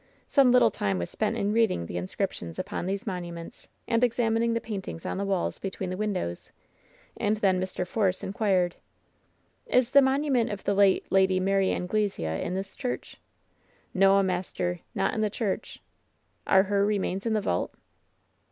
Some little time was spent in reading the inscriptions upon these monuments, and examining the paintings on the walls between the windows ; and then Mr. Force in quired : "Is the monument of the late Lady Mary Anglesea in this church V "Noa, maister ; not in the churcL^' *'Are her remains in the vault